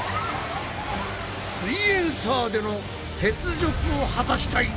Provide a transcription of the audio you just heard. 「すイエんサー」での雪辱を果たしたい！